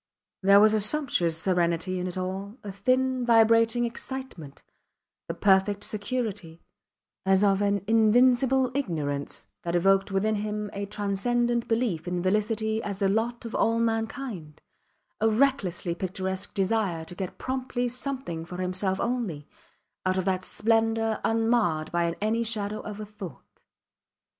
There was a sumptuous serenity in it all, a thin, vibrating excitement, the perfect security, as of an invincible ignorance, that evoked within him a transcendent belief in felicity as the lot of all mankind, a recklessly picturesque desire to get promptly something for himself only, out of that splendour unmarred by any shadow of a thought.